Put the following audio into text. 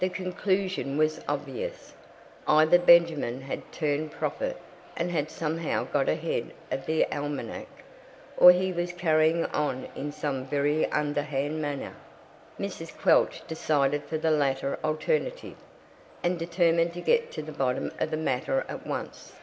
The conclusion was obvious: either Benjamin had turned prophet, and had somehow got ahead of the almanac, or he was "carrying on" in some very underhand manner. Mrs. Quelch decided for the latter alternative, and determined to get to the bottom of the matter at once.